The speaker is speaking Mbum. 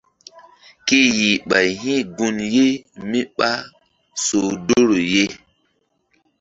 Ke yih ɓay hi̧ gun ye mí ɓá soh doro ye.